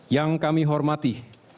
yang kami hormati